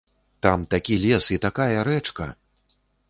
Там такі лес і такая рэчка!